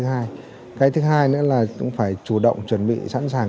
cái thứ hai nữa là cũng phải chủ động chuẩn bị sẵn sàng